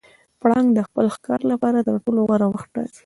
پړانګ د خپل ښکار لپاره تر ټولو غوره وخت ټاکي.